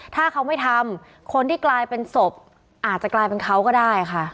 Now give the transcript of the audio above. ถ้าเขาไม่ทำคนที่กลายเป็นศพอาจจะกลายเป็นเขาก็ได้ค่ะ